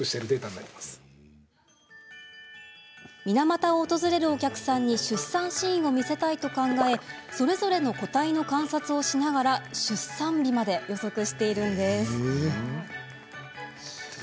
水俣を訪れるお客さんに出産シーンを見せたいと考えそれぞれの個体の観察をしながら出産日まで予測しているんです。